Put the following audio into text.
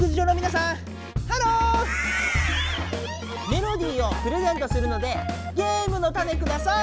メロディーをプレゼントするのでゲームのタネください！